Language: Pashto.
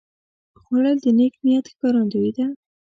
خوړل د نیک نیت ښکارندویي ده